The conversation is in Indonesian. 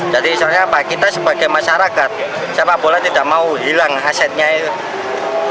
jadi soalnya apa kita sebagai masyarakat siapa bola tidak mau hilang asetnya itu